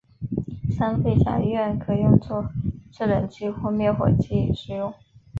三氟甲烷可用作制冷剂或灭火剂使用。